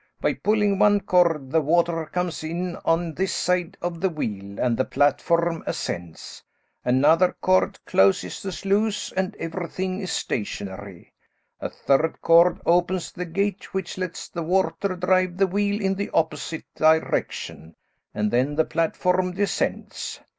"By pulling one cord, the water comes in on this side of the wheel and the platform ascends. Another cord closes the sluice and everything is stationary. A third cord opens the gate which lets the water drive the wheel in the opposite direction and then the platform descends.